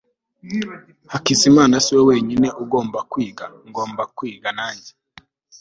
hakizimana siwe wenyine ugomba kwiga. ngomba kwiga